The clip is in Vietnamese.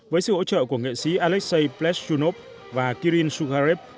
với sự hỗ trợ của nghệ sĩ alexei pleshchunov và kirill shukarev